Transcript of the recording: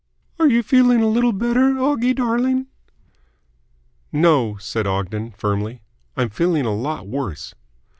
"Are you feeling a little better, Oggie darling?" "No," said Ogden firmly. "I'm feeling a lot worse."